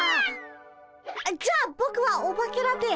じゃあボクはオバケラテ。